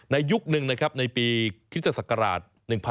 ในยุคนึงนะครับในปีคริสตศักราช๑๙๖๖